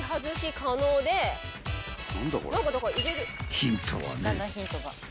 ［ヒントはね